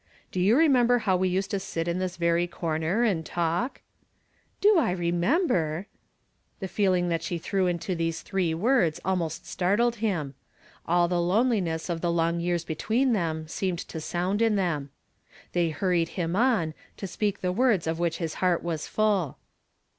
" Do you remember iiow we used to sit in this very corner and talk ?" "Do 1 remember !" The feeling that she threw into those three words almost startled him. All the loneliness of the l;)ng yeai s between seemed to sound in them. They hurried him on, to speak the words of which his heart was full.